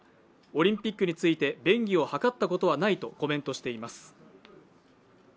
「オリンピックについて便宜を図ったことはない」とコメントしています。